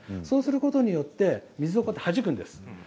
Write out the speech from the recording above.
そうすることによって水をはじくんです。